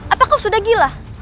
apa kau sudah gila